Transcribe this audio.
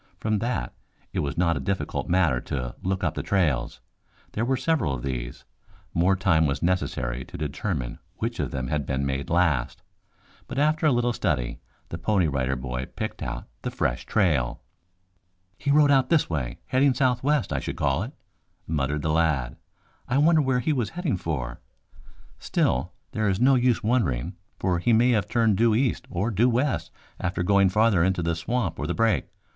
From that, it was not a difficult matter to look up the trails. There were several of these. More time was necessary to determine which of them had been made last, but after a little study the Pony Rider Boy picked out the fresh trail. "He rode out this way, heading southwest, I should call it," muttered the lad. "I wonder where he was heading for? Still, there is no use wondering, for he may have turned due east or due west after going farther into the swamp or the brake.